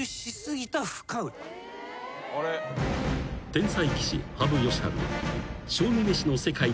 ［天才棋士羽生善治は］